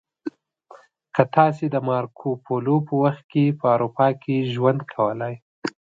که تاسې د مارکو پولو په وخت کې په اروپا کې ژوند کولی